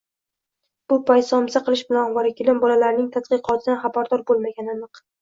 Bu payt somsa qilish bilan ovora kelin bolalarining tadqiqotidan xabardor bo`lmagani aniq